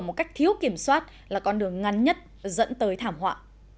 một cách thiếu kiểm soát là con đường ngắn nhất dẫn tới thảm họa